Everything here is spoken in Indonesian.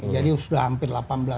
jadi sudah hampir delapan belas